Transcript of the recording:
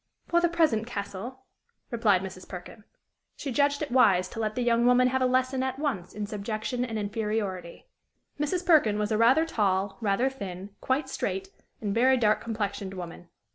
"For the present, Castle," replied Mrs. Perkin. She judged it wise to let the young woman have a lesson at once in subjection and inferiority. Mrs. Perkin was a rather tall, rather thin, quite straight, and very dark complexioned woman.